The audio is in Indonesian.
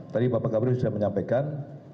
tadi bapak kapolri sudah menyampaikan